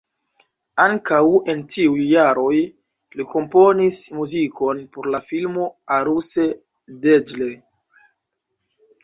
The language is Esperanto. Ankaŭ en tiuj jaroj li komponis muzikon por la filmo Aruse Deĝle.